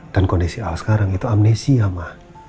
dan kondisi al sekarang itu amnesia ma